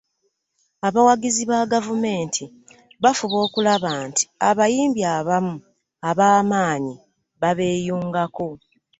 abawagizi ba gavumenti bafuba okulaba nti abayimbi abamu abaamaanyi babeeyungako.